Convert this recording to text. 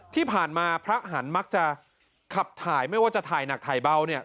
ที่ผ่านมาพระหันต์มักจะขับถ่ายไม่ว่าจะถ่ายหนักถ่ายเบาเนี่ย